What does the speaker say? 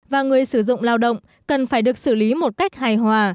và người sử dụng lao động cần phải được xử lý một cách hài hòa